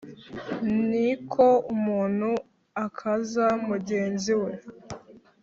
ni ko umuntu akaza mugenzi we